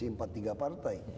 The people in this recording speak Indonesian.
masih empat tiga partai